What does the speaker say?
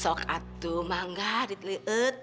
semoga itu kemkatusuan